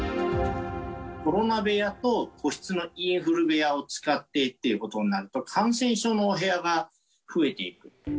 コロナ部屋と個室のインフル部屋を使ってっていうことになると、感染症のお部屋が増えていく。